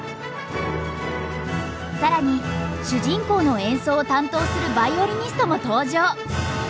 更に主人公の演奏を担当するヴァイオリニストも登場！